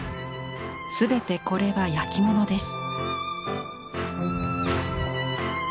すべてこれは焼き物です。